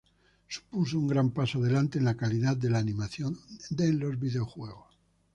Supuso un gran paso adelante en la calidad de la animación en los videojuegos.